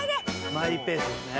マイペースですね。